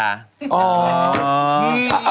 เอ้า